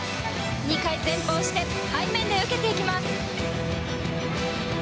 ２回前方して背面で受けていきます。